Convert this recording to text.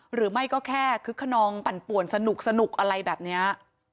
หรือไม่ก็แค่คึกขนองปั่นป่วนสนุกอะไรแบบนี้